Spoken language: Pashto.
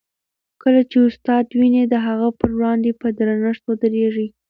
کله چي استاد وینئ، د هغه په وړاندې په درنښت ودریږئ.